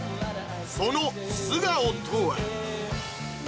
その素顔とは？